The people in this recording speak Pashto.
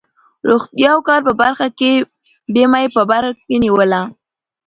روغتیا او کار په برخه کې بیمه یې په بر کې نیوله.